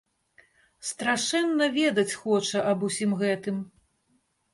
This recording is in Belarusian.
Страшэнна ведаць хоча, аб усім гэтым.